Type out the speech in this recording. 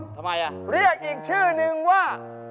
ทำไมเรียกอีกชื่อนึงว่า